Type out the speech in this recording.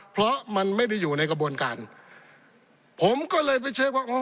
เพราะมันไม่ได้อยู่ในกระบวนการผมก็เลยไปเช็คว่าอ๋อ